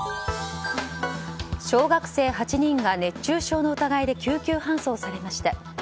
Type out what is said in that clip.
小学生８人が熱中症の疑いで救急搬送されました。